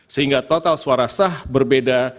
sehingga total suara sah berbeda